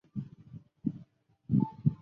弘定五年出生。